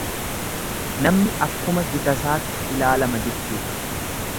Namni akkuma gitasaatti ilaalama jechuudha.